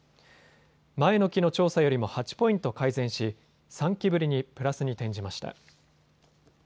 前の期の調査よりも８ポイント改善し３期ぶりにプラスに転じました。